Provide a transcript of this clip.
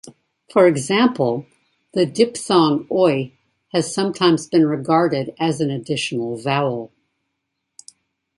For example, the diphthong oi has sometimes been regarded as an additional vowel.